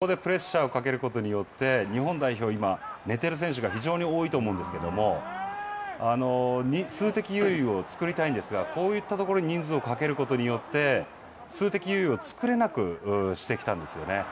ここでプレッシャーをかけることによって、日本代表は今寝ている選手が非常に多いと思うんですけれども、数的優位を作りたいんですが、こういったところに人数をかけることによって、数的優位を作れなくしてきたんですよね。